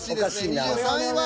２３位は。